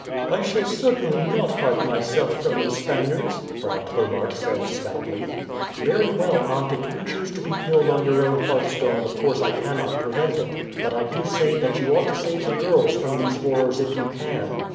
"I shall certainly not hide myself from the Spaniards," Frau Plomaert said stoutly. "Very well, aunt, if you choose to be killed on your own hearthstone of course I cannot prevent it; but I do say that you ought to save the girls from these horrors if you can."